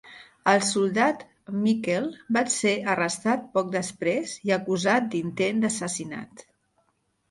El soldat Mikel va ser arrestat poc després i acusat d'intent d'assassinat.